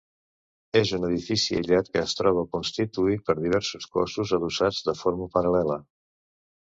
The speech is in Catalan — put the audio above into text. És un edifici aïllat que es troba constituït per diversos cossos adossats de forma paral·lela.